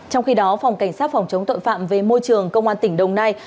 trong khi đó phòng cảnh sát phòng chống tội phạm về môi trường công an tỉnh đồng nai